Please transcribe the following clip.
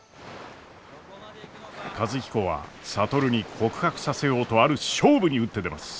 和彦は智に告白させようとある勝負に打って出ます！